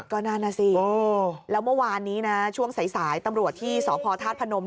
ก็นั่นน่ะสิแล้วเมื่อวานนี้นะช่วงสายตำรวจที่สพธาตุพนม